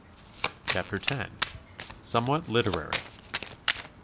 CHAPTER X. SOMEWHAT LITERARY.